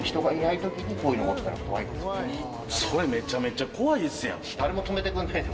それめちゃめちゃ怖いですやん。